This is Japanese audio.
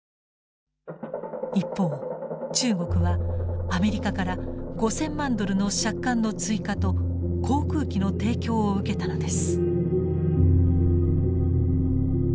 一方中国はアメリカから５，０００万ドルの借款の追加と航空機の提供を受けたのです。